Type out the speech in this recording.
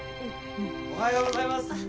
・おはようございます！